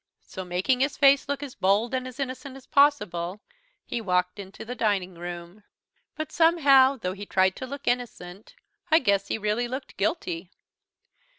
So, making his face look as bold and as innocent as possible, he walked into the dining room. But somehow, though he tried to look innocent, I guess he really looked guilty.